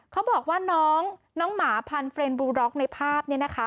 เขาบอกว่าน้องน้องหมาพันธุ์เฟรนด์บลูล็อกในภาพนี้นะคะ